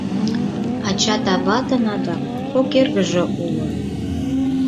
Ачат-аватын адак кок эргыже уло.